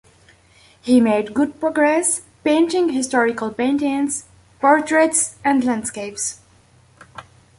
He made good progress, painting historical paintings, portraits and landscapes.